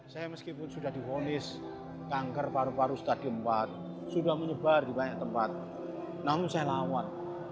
saya meskipun sudah difonis kanker paru paru stadium empat sudah menyebar di banyak tempat namun saya lawan